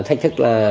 thách thức là